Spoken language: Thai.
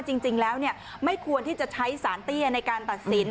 จริงแล้วไม่ควรที่จะใช้สารเตี้ยในการตัดสิน